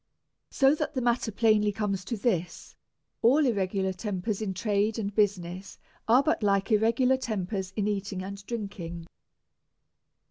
So that the matter plainly comes to this ; all irregu lar tempers in trade and business are but like irregu lar tem.pers in eating and drinking.